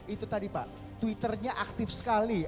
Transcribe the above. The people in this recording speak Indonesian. itu tadi pak twitternya aktif sekali